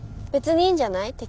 別にいいんじゃない。